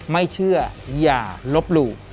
ไม่เชื่ออย่าลบหลู่